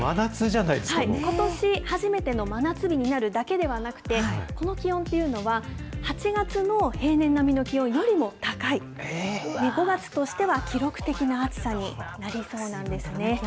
ことし初めての真夏日になるだけではなくて、この気温っていうのは、８月の平年並みの気温よりも高い、５月としては記録的な暑さになりそうなんですね。